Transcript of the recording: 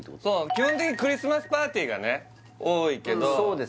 基本的にクリスマスパーティーがね多いけどそうです